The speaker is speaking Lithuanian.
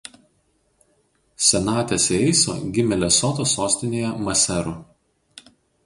Senate Seeiso gimė Lesoto sostinėje Maseru.